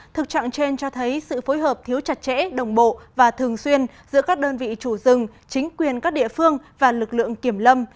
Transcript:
thực trạng trên cho thấy sự phối hợp thiếu chặt chẽ đồng bộ và thường xuyên giữa các đơn vị chủ rừng chính quyền các địa phương và lực lượng kiểm lâm